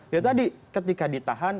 ya tadi ketika ditahan